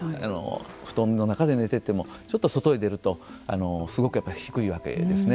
布団の中で寝ていてもちょっと外へ出るとすごくやっぱり低いわけですね。